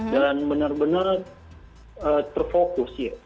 dan benar benar terfokus ya